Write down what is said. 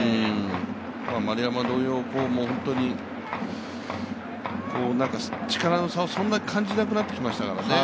丸山同様、力の差をそんなに感じなくなってきましたからね。